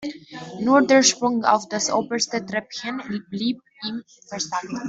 Nur der Sprung auf das oberste Treppchen blieb ihm versagt.